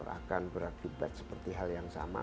akan berakibat seperti hal yang sama